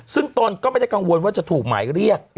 ซึ่งตนก็ไม่ได้กังวลว่าจะถูกหมายเรียก